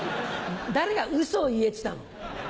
誰がウソを言えって言ったの。